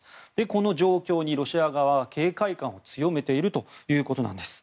この状況にロシア側は警戒感を強めているということなんです。